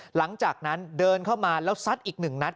หลังจากนั้นเดินเข้ามาแล้วซัดอีกหนึ่งนัด